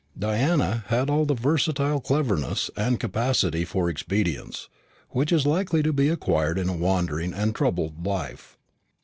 Diana had all that versatile cleverness and capacity for expedients which is likely to be acquired in a wandering and troubled life.